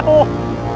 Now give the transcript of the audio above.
di hai figure